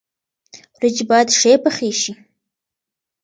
ورجې باید ښې پخې شي.